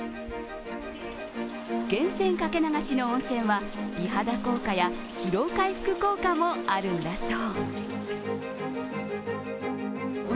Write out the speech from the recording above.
源泉掛け流しの温泉は美肌効果や疲労回復効果もあるんだそう。